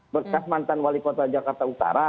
berkas mantan wali kota jakarta utara